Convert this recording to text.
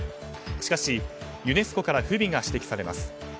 しかし、ユネスコから不備が指摘されます。